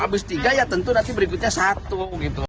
habis tiga ya tentu nanti berikutnya satu gitu